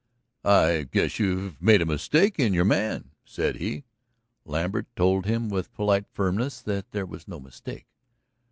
"I guess you've made a mistake in your man," said he. Lambert told him with polite firmness that there was no mistake.